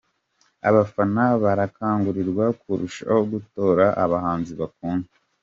Abafana barakangurirwa kurushaho gutora abahanzi bakunda.